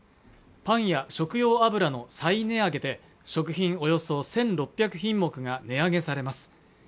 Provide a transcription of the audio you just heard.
パンや食用油の再値上げで食品およそ１６００品目が値上げされます